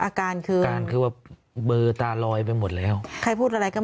อาการคืออาการคือว่าเบอร์ตาลอยไปหมดแล้วใครพูดอะไรก็